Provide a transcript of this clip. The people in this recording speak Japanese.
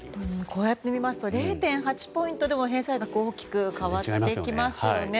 こうして見ますと０．８ポイントでも返済額は大きく変わってきますよね。